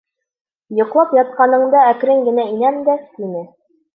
Йоҡлап ятҡаныңда әкрен генә инәм дә, тине...